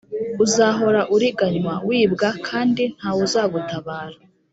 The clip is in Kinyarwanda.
Uzahora uriganywa, wibwa kandi nta wuzagutabara.